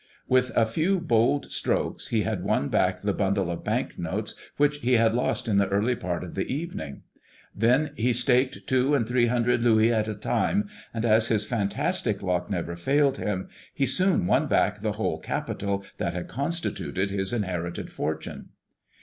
With a few bold strokes he had won back the bundle of bank notes which he had lost in the early part of the evening. Then he staked two and three hundred louis at a time, and as his fantastic luck never failed him, he soon won back the whole capital that had constituted his inherited fortune.